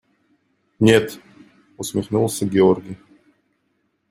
– Нет, – усмехнулся Георгий.